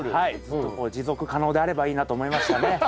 ずっとこう持続可能であればいいなと思いましたね。